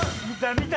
見た！